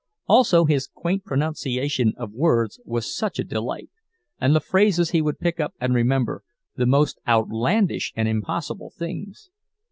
Also his quaint pronunciation of words was such a delight—and the phrases he would pick up and remember, the most outlandish and impossible things!